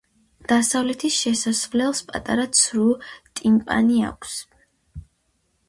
დასავლეთის შესასვლელს პატარა ცრუ ტიმპანი აქვს.